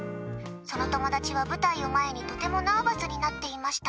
その友達は舞台を前にとてもナーバスになっていました。